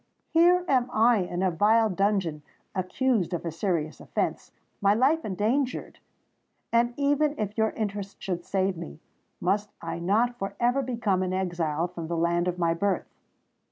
Here am I in a vile dungeon—accused of a serious offence—my life endangered! And, even if your interest should save me, must I not for ever become an exile from the land of my birth?